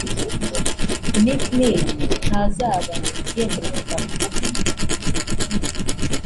Meek Mill ntazaba yemerewe kuva mu rugo